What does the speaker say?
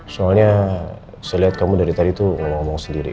soalnya saya lihat kamu dari tadi tuh ngomong sendiri